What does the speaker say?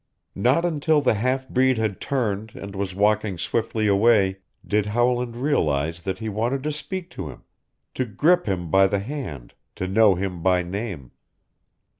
Not until the half breed had turned and was walking swiftly away did Howland realize that he wanted to speak to him, to grip him by the hand, to know him by name.